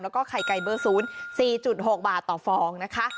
แล้วก็ไข่ไก่เบอร์๐๔๖บาทต่อฟองนะคะ